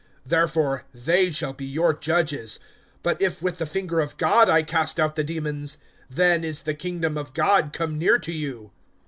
Therefore they shall be your judges. (20)But if with the finger of God I cast out the demons, then is the kingdom of God come near to you.